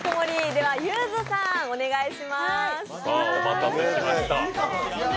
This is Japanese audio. では、ゆーづさん、お願いします。